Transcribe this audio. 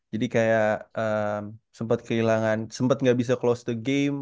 jadi kayak eh sempet kehilangan sempet gak bisa close the game